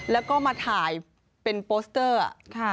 แล้วก็มาถ่ายเป็นโปสเตอร์